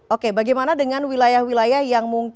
oke bagaimana dengan wilayah wilayah yang mungkin